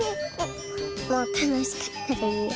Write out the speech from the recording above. もうたのしかった。